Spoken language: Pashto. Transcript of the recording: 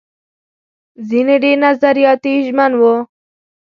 ځينې ډېر نظریاتي ژمن وو.